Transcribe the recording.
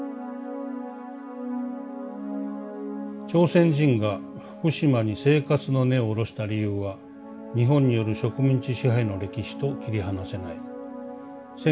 「朝鮮人が福島に生活の根を下ろした理由は日本による植民地支配の歴史と切り離せない。